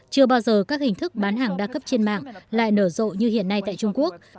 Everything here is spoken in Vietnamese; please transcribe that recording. chưa bao giờ các hình thức bán hàng đa cấp trên mạng lại nở rộ như hiện nay tại trung quốc